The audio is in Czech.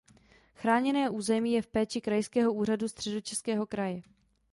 Chráněné území je v péči Krajského úřadu Středočeského kraje.